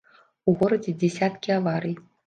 У горадзе дзясяткі аварый.